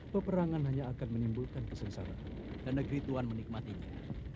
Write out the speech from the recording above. peperangan hanya akan menimbulkan kesengsaraan dan negeri tuhan menikmatinya